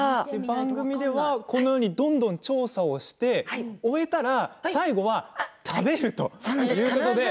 番組では、このようにどんどん調査をし終えたら最後は食べるということで。